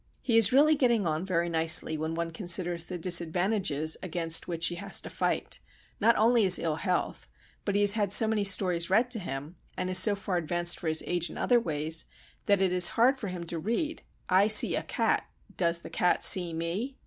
He is really getting on very nicely, when one considers the disadvantages against which he has to fight;—not only his ill health, but he has had so many stories read to him, and is so far advanced for his age in other ways, that it is hard for him to read:—"I see a Cat. Does the Cat see me?"